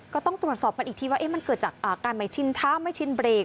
ก็ต้องตรวจสอบกันอีกทีว่ามันเกิดจากการไม่ชินเท้าไม่ชินเบรก